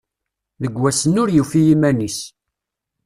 Deg wass-nni ur yufi iman-is